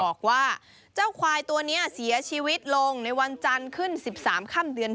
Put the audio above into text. บอกว่าเจ้าควายตัวนี้เสียชีวิตลงในวันจันทร์ขึ้น๑๓ค่ำเดือน